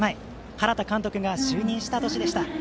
原田監督が就任した年でした。